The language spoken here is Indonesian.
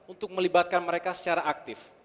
untuk melibatkan mereka secara aktif